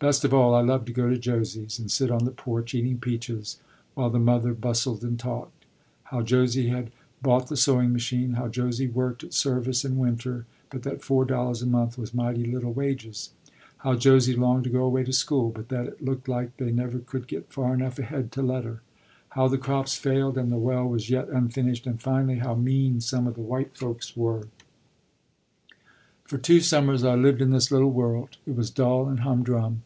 Best of all I loved to go to Josie's, and sit on the porch, eating peaches, while the mother bustled and talked: how Josie had bought the sewing machine; how Josie worked at service in winter, but that four dollars a month was "mighty little" wages; how Josie longed to go away to school, but that it "looked like" they never could get far enough ahead to let her; how the crops failed and the well was yet unfinished; and, finally, how "mean" some of the white folks were. For two summers I lived in this little world; it was dull and humdrum.